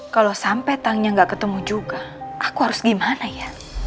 kalau sampai tangnya gak ketemu juga aku harus gimana ya